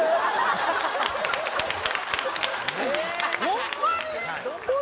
ホンマに！？